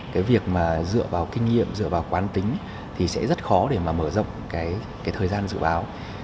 cái việc mà dựa vào kinh nghiệm dựa vào quan tính thì sẽ rất khó để mà mở rộng cái thời gian dự báo